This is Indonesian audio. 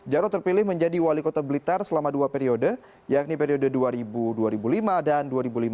jarod terpilih menjadi wali kota blitar selama dua periode yakni periode dua ribu dua ribu lima dan dua ribu lima belas